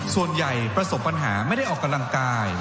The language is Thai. ส่วนใหญ่ประสบปัญหาไม่ได้ออกกำลังกาย